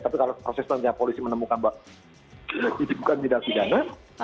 tapi kalau proses nantinya polisi menemukan bahwa itu bukan tindak pidana